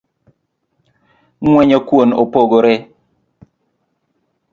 Ng’wenyo kuon opogore